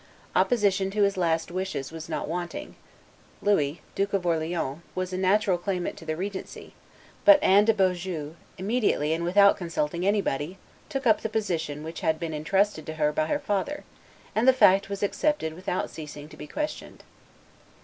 Opposition to his last wishes was not wanting. Louis, Duke of Orleans, was a natural claimant to the regency; but Anne de Beaujeu, immediately and without consulting anybody, took up the position which had been intrusted to her by her father, and the fact was accepted without ceasing to be questioned.